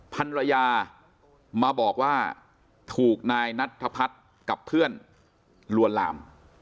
ภรรยามาบอกว่าถูกนายนัทธพัฒน์กับเพื่อนลวนลาม